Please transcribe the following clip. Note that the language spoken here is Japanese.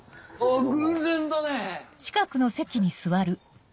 偶然だね。